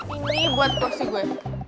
ini buat kursi gue